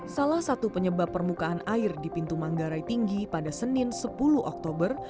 salah satu penyebab permukaan air di pintu manggarai tinggi pada senin sepuluh oktober